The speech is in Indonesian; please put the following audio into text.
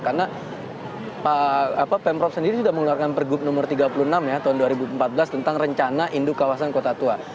karena pemprov sendiri sudah mengeluarkan pergub nomor tiga puluh enam ya tahun dua ribu empat belas tentang rencana induk kawasan kota tua